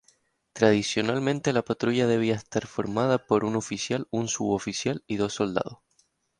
Tradicionalmente la patrulla debía estar formada por un oficial, un suboficial y dos soldados.